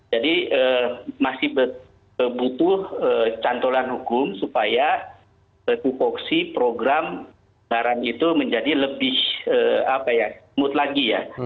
jadi masih butuh cantolan hukum supaya keku fokusi program sekarang itu menjadi lebih apa ya mud lagi ya